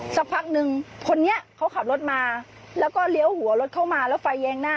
สักพักนึงคนนี้เขาขับรถมาแล้วก็เลี้ยวหัวรถเข้ามาแล้วไฟแยงหน้า